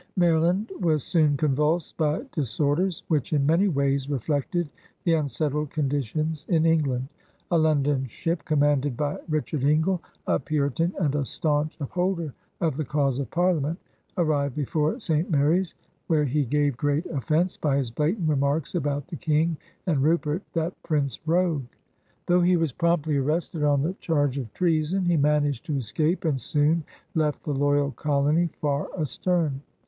Maryland was soon convulsed by disorders which in many ways reflected the unsettled condi tions in England. A London ship, commanded by Richard Ingle, a Puritan and a staunch upholder of the cause of Parliament, arrived before St. Mary's, where he gave great off ^ise by his blatant remarks about the King and Rupert, ^'that Prince Rogue." Though he was promptly arrested on the charge of treason, he managed to escape and soon left the loyal colony far astern.